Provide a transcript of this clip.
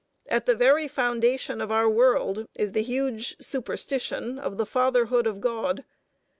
At the very foundation of our world is the huge superstition of the Fatherhood of God.